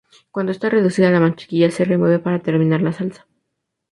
Cuando está reducida, la mantequilla se remueve para terminar la salsa.